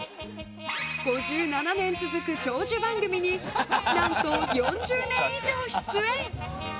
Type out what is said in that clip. ５７年続く長寿番組に何と４０年以上出演。